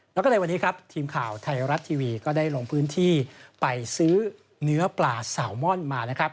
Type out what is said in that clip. แล้วก็ในวันนี้ครับทีมข่าวไทยรัฐทีวีก็ได้ลงพื้นที่ไปซื้อเนื้อปลาสาวม่อนมานะครับ